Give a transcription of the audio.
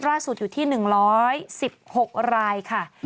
ล่าสุดอยู่ที่๑๑๖รายค่ะ